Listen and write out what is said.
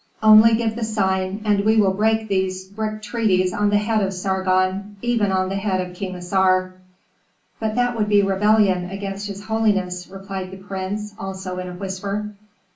Only give the sign and we will break these brick treaties on the head of Sargon, even on the head of King Assar." "But that would be rebellion against his holiness," replied the prince, also in a whisper.